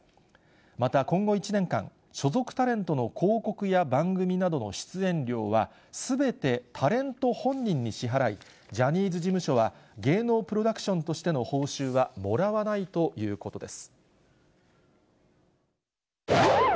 また、今後１年間、所属タレントの広告や番組などの出演料は、すべてタレント本人に支払い、ジャニーズ事務所は芸能プロダクションとしての報酬はもらわないということです。